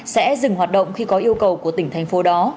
sẽ dừng hoạt động khi có yêu cầu của tỉnh thành phố đó